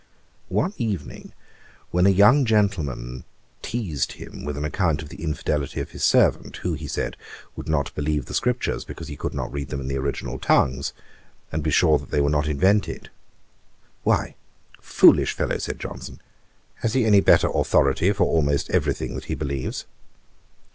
One evening when a young gentleman teized him with an account of the infidelity of his servant, who, he said, would not believe the scriptures, because he could not read them in the original tongues, and be sure that they were not invented. 'Why, foolish fellow, (said Johnson,) has he any better authority for almost every thing that he believes?'